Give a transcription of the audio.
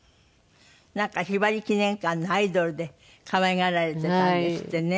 なんかひばり記念館のアイドルで可愛がられてたんですってね。